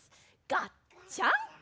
ガッチャン！